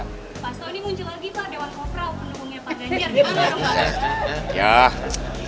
pasto ini muncul lagi pak dewan kopral penemunya pak ganjar gimana